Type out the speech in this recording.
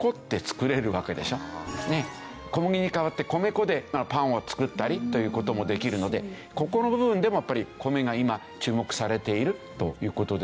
小麦に代わって米粉でパンを作ったりという事もできるのでここの部分でもやっぱり米が今注目されているという事ですよね。